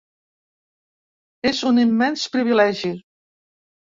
És un immens privilegi.